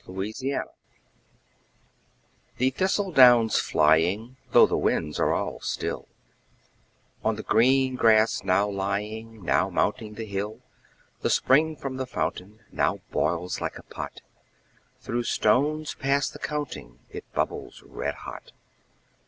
Autumn The thistle down's flying, though the winds are all still, On the green grass now lying, now mounting the hill, The spring from the fountain now boils like a pot; Through stones past the counting it bubbles red hot.